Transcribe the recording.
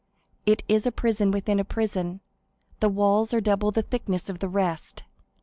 It is a prison within a prison; the walls are double the thickness of the rest.